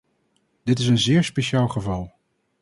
Dit is een zeer speciaal geval.